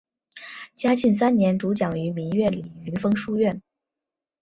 嘉庆三年主讲于明月里云峰书院。